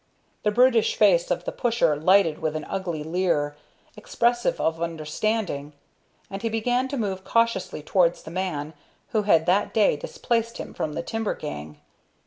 The brutish face of the pusher lighted with an ugly leer, expressive of understanding, and he began to move cautiously towards the man who had that day displaced him from the timber gang.